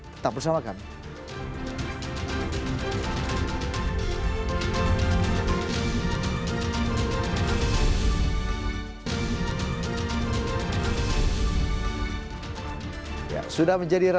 tetap bersama kami